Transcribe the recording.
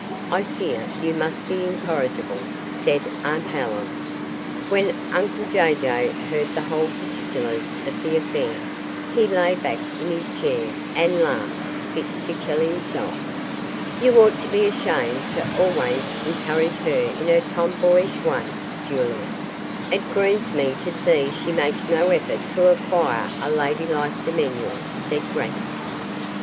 I fear you must be incorrigible," said aunt Helen. When uncle Jay Jay heard the whole particulars of the affair, he lay back in his chair and laughed fit to kill himself. "You ought to be ashamed to always encourage her in her tomboyish ways, Julius. It grieves me to see she makes no effort to acquire a ladylike demeanour," said grannie.